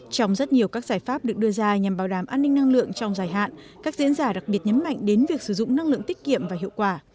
trong rất nhiều các giải pháp được đưa ra nhằm bảo đảm an ninh năng lượng trong dài hạn các diễn giả đặc biệt nhấn mạnh đến việc sử dụng năng lượng tiết kiệm và hiệu quả